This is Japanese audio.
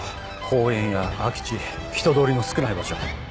公園や空き地人通りの少ない場所。